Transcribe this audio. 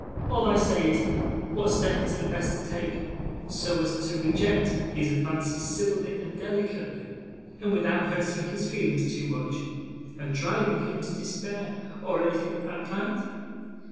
All I say is, what step is the best to take, so as to reject these advances civilly and delicately, and without hurting his feelings too much, and driving him to despair, or anything of that kind?